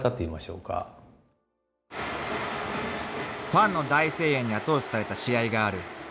［ファンの大声援に後押しされた試合がある］